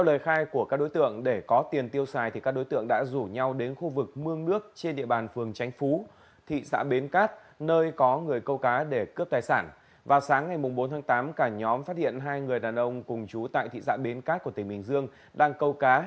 vào sáng ngày bốn tháng tám cả nhóm phát hiện hai người đàn ông cùng chú tại thị xã bến cát của tỉnh bình dương đang câu cá